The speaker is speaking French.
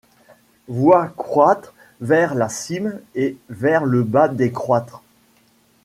Vois croître vers la cime et vers le bas décroître